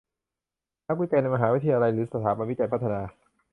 นักวิจัยในมหาวิทยาลัยหรือสถาบันวิจัยพัฒนา